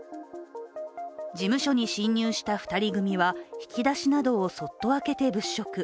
事務所に侵入した２人組は引き出しなどをそっと開けて物色。